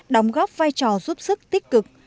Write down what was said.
đóng góp vai trò giúp sức tích cực